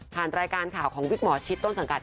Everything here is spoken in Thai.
ทางรายการข่าวของเวียบหมอชิส